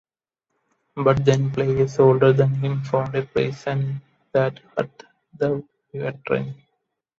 But then players older than him found a place, and that hurt the veteran.